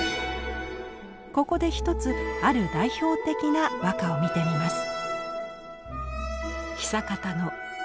ここで一つある代表的な和歌を見てみます。